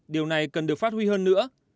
điều này cần được phát huy hơn nữa